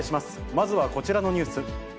まずはこちらのニュース。